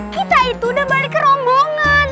kita itu udah balik ke rombongan